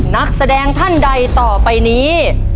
นักแสดงท่านใดต่อไปนี้